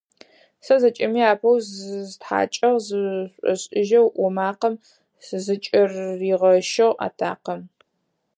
Сэ зэкӏэми апэу зыстхьакӏыгъ, - зышӏошӏыжьэу ӏо макъэм зыкӏыригъэщыгъ атакъэм.